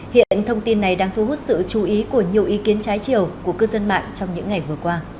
hiện thông tin này đang thu hút sự chú ý của nhiều ý kiến trái chiều của cư dân mạng trong những ngày vừa qua